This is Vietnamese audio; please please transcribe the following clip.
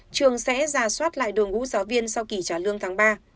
trường sẽ ra soát lại đội ngũ giáo viên sau kỳ trả lương tháng ba